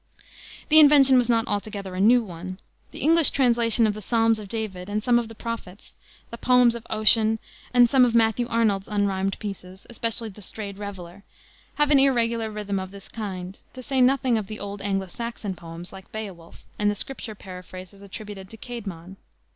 The invention was not altogether a new one. The English translation of the Psalms of David and of some of the Prophets, the Poems of Ossian, and some of Matthew Arnold's unrhymed pieces, especially the Strayed Reveller, have an irregular rhythm of this kind, to say nothing of the old Anglo Saxon poems, like Beowulf, and the Scripture paraphrases attributed to Caedmon.